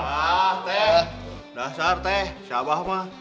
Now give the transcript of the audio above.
hah teh dasar teh si abah ma